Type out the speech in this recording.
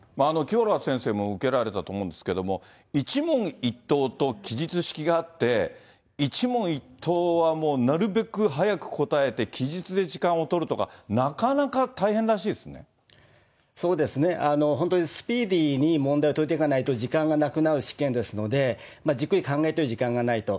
清原先生も受けられたと思うんですけれども、一問一答と記述式がありまして、一問一答はもうなるべく早く答えて記述で時間を取るとか、なかなそうですね、本当にスピーディーに解いていかないと時間がなくなる試験ですので、じっくり考えてる時間がないと。